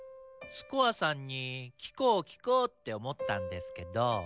スコアさんに聞こう聞こうって思ったんですけど。